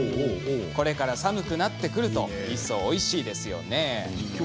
これから寒くなってくるといっそうおいしいですよね。